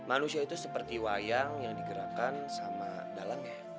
manusia itu seperti wayang yang digerakkan sama dalangnya